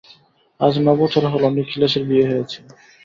আজ ন বছর হল নিখিলেশের বিয়ে হয়েছে।